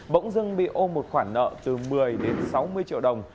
bỗng dưng bị ô một khoản nợ từ một mươi đến sáu mươi triệu đồng